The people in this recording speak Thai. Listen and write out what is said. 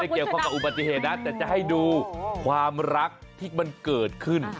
เกี่ยวข้องกับอุบัติเหตุนะแต่จะให้ดูความรักที่มันเกิดขึ้น